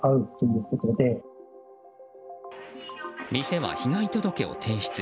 店は被害届を提出。